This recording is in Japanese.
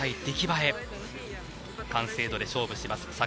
出来栄え完成度で勝負します